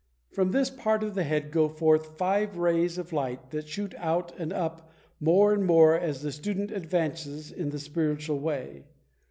From this part of the head go forth five rays of light that shoot out and up more and more as the student advances in the spiritual way.